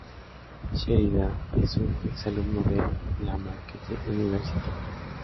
Sheridan es un ex alumno de la Marquette University.